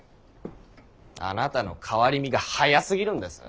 あなたの変わり身が早過ぎるんです。